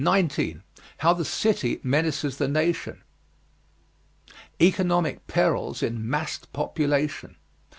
HOW THE CITY MENACES THE NATION. Economic perils in massed population.